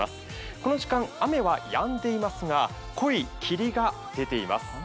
この時間、雨はやんでいますが濃い霧が出ています。